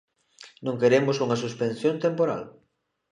Non queremos unha suspensión temporal.